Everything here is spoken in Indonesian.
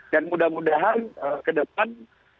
mudah mudahan ke depan